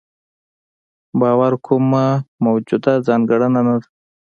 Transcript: باور کومه موجوده ځانګړنه نه ده.